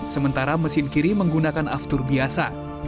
sementara mesin kiri menggunakan aftur biasa